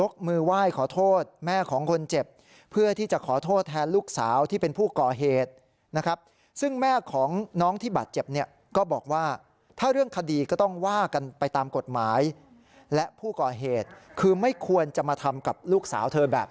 คือขอโทษฝั่งผู้เสียหายแทนลูกเลยนะฮะ